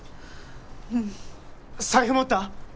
うん財布持った？